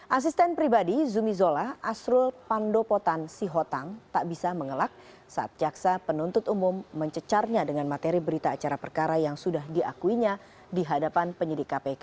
asisten pribadi zumi zola asrul pandopotan sihotang tak bisa mengelak saat jaksa penuntut umum mencecarnya dengan materi berita acara perkara yang sudah diakuinya di hadapan penyidik kpk